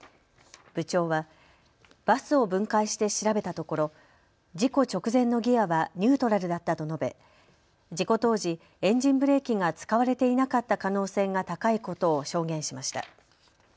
部長はバスを分解して調べたところ事故直前のギアはニュートラルだったと述べ事故当時、エンジンブレーキが使われていなかった可能性が高いことを証言しました。